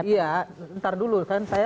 ya nanti dulu